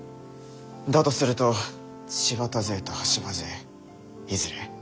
だとすると柴田勢と羽柴勢いずれ。